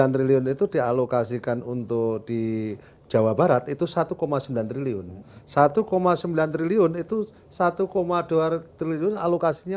sembilan triliun itu dialokasikan untuk di jawa barat itu satu sembilan triliun satu sembilan triliun itu satu dua triliun alokasinya